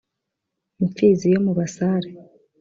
imfizi yo mu basare.